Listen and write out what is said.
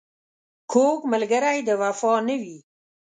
کوږ ملګری د وفا نه وي